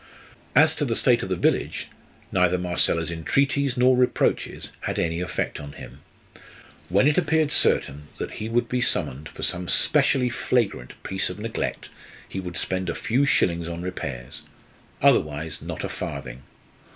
As to the state of the village, neither Marcella's entreaties nor reproaches had any effect upon him. When it appeared certain that he would be summoned for some specially flagrant piece of neglect he would spend a few shillings on repairs; otherwise not a farthing.